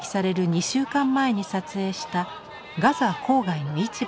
２週間前に撮影したガザ郊外の市場の様子。